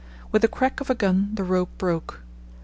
With the crack of a gun the rope broke.